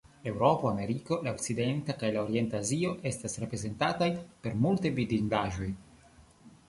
Eŭropo, Ameriko, La Okcidenta kaj la Orienta Azio estas reprezentataj per multaj vidindaĵoj.